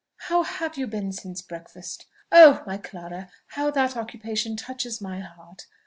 how have you been since breakfast? Oh! my Clara! how that occupation touches my heart!